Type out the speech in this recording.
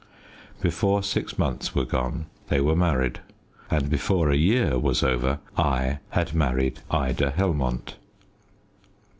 Before six months were gone they were married, and before a year was over I had married Ida Helmont.